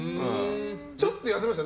ちょっと痩せました？